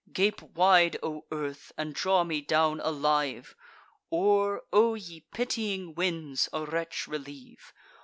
Gape wide, O earth, and draw me down alive! Or, O ye pitying winds, a wretch relieve!